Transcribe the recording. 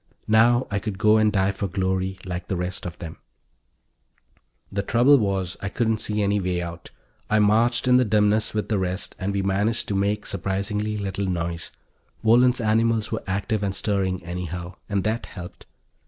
Now I could go and die for glory like the rest of them. The trouble was, I couldn't see any way out. I marched in the dimness with the rest, and we managed to make surprisingly little noise. Wohlen's animals were active and stirring, anyhow, and that helped.